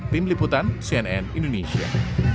tim liputan cnn indonesia